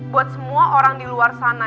buat semua orang di luar sana